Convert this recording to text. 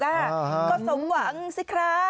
ก็สมหวังสิครับ